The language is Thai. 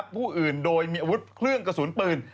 ผู้อื่นโดยมีอาวุธเครื่องกระสุนปืน